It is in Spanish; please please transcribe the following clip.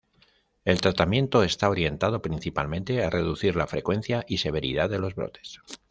El tratamiento está orientado principalmente a reducir la frecuencia y severidad de los brotes.